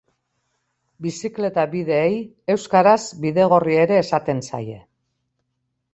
Bizikleta-bideei euskaraz bidegorri ere esaten zaie.